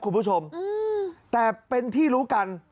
คุณผู้ชมแต่เป็นที่รู้กัน